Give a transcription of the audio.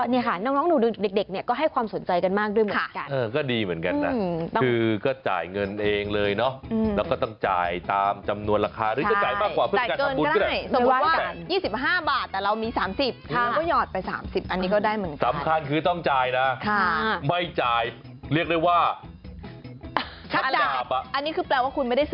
นี้แปลว่าคุณไม่ได้ซื่อสัตว์ต่อตัวเองแล้ว